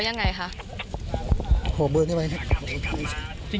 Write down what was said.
ห่วงเบอร์ได้ไหม